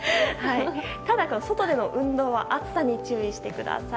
ただ、外での運動は暑さに注意してください。